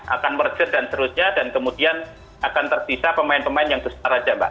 akan merger dan seterusnya dan kemudian akan tersisa pemain pemain yang besar saja mbak